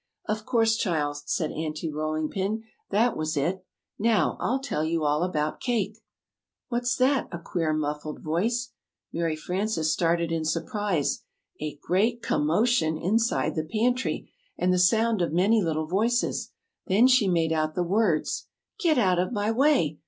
"Of course, child," said Aunty Rolling Pin, "that was it. Now, I'll tell you all about cake " [Illustration: "I'll tell you all about cake."] "What's that!" a queer, muffled voice. Mary Frances started in surprise. A great com mo tion inside the pantry, and the sound of many little voices! Then she made out the words: "Get out of my way!